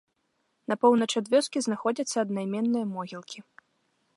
На поўнач ад вёскі знаходзяцца аднайменныя могілкі.